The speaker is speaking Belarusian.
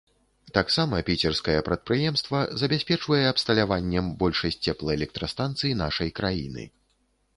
Таксама піцерскае прадпрыемства забяспечвае абсталяваннем большасць цеплаэлектрастанцый нашай краіны.